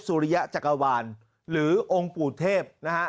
สุริยะจักรวาลหรือองค์ปู่เทพนะฮะ